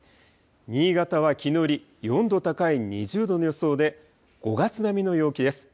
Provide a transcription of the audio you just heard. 新潟はきのうより４度高い２０度の予想で、５月並みの陽気です。